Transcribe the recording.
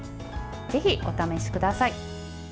ぜひお試しください。